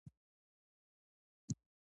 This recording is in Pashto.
ډرامه باید د تېرو عبرت ورکړي